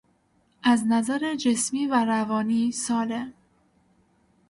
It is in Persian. از نظر جسمی و روانی سالم